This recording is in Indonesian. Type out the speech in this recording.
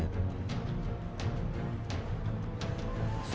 adalah pamer harta yang ditemukan oleh pemerintah